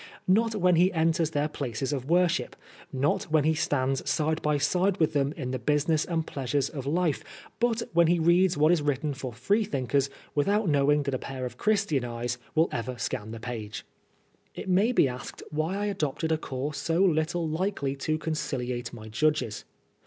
Not when he enters their places of worship, not when he stands side by side with them in the business and pleasures of life, but when he reads what is written for Freethinkers without knowing that a pair of Christian eyes will ever scan the page." 102 PRISONER FOR BLASPHEMY. It may be asked why I adopted a coarse so little likely to conciliate my judges.